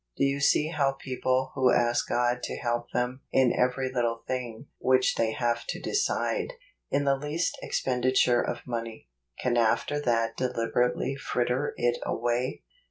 Do you see how people who ask God to help them in every little thing which they have to decide — in the least expenditure of money — can after that deliberately fritter it away